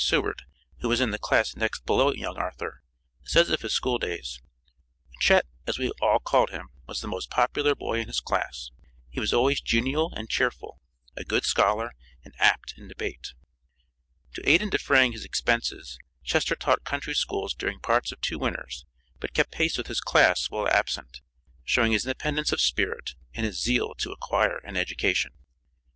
Seward, who was in the class next below young Arthur, says of his school days: "Chet, as we all called him, was the most popular boy in his class. He was always genial and cheerful, a good scholar, and apt in debate." To aid in defraying his expenses, Chester taught country schools during parts of two winters, but kept pace with his class while absent, showing his independence of spirit, and his zeal to acquire an education.